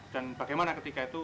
dan bagaimana ketika itu